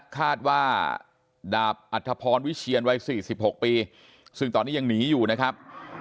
คาดว่าดาบอัธพรวิเชียนวัย๔๖ปีซึ่งตอนนี้ยังหนีอยู่นะครับ